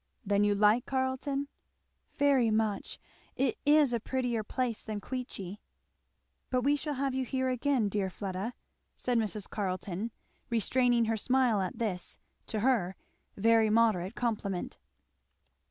"Then you like Carleton?" "Very much! It is a prettier place than Queechy." "But we shall have you here again, dear Fleda," said Mrs. Carleton restraining her smile at this, to her, very moderate complement.